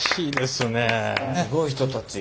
すごい人たち。